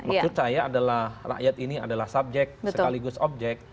maksud saya adalah rakyat ini adalah subjek sekaligus objek